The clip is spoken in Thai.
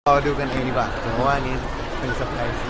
พี่ฉาย